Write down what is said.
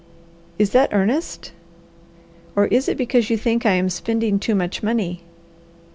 "Is that earnest or is it because you think I am spending too much money?"